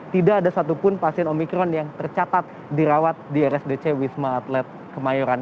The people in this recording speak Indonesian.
tidak ada satupun pasien omikron yang tercatat dirawat di rsdc wisma atlet kemayoran